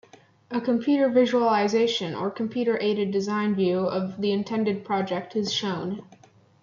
A computer visualisation or computer-aided design view of the intended project is shown.